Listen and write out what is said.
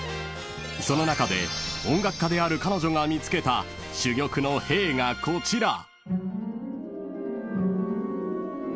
［その中で音楽家である彼女が見つけた珠玉のへぇーがこちら］